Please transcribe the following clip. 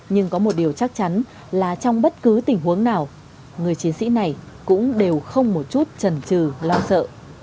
nhưng có một điều chắc chắn là trong bất cứ tình huống nào người chiến sĩ này cũng đều không một chút trần trừ lo sợ